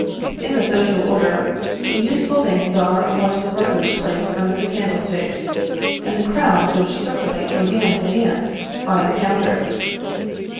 In the social order, the useful things are what the workers place under the candlestick, and the crowns which circulate from hand to hand are the counters.